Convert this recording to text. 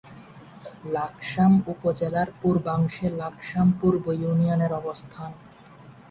লাকসাম উপজেলার পূর্বাংশে লাকসাম পূর্ব ইউনিয়নের অবস্থান।